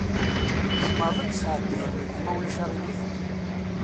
Tzemreḍ ad tesɛeddiḍ lmelḥ, ma ulac aɣilif?